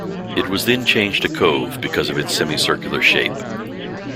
It was then changed to Cove because of its semicircular shape.